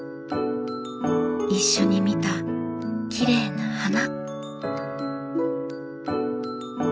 一緒に見たきれいな花」。